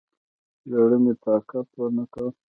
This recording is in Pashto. زړه مې طاقت ونکړ.